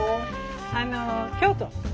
あの京都！